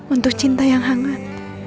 untuk cinta yang hangat